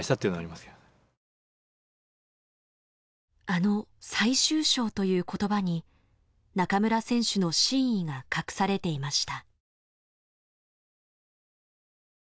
あの「最終章」という言葉に中村選手の真意が隠されていました。